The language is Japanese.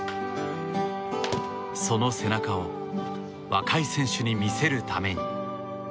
その背中を若い選手に見せるために。